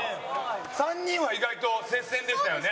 ３人は意外と接戦でしたよね。